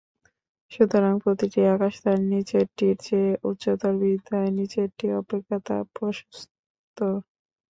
সুতরাং প্রতিটি আকাশ তার নিচেরটির চেয়ে উচ্চতর বিধায় নিচেরটি অপেক্ষা তা প্রশস্ততর।